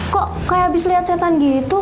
kok kayak abis liat setan gitu